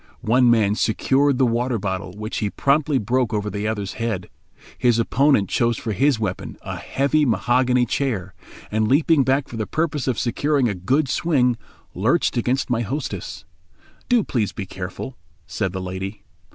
One man secured the water bottle, which he promptly broke over the other's head. His opponent chose for his weapon a heavy mahogany chair, and leaping back for the purpose of securing a good swing, lurched against my hostess. "Do please be careful," said the lady.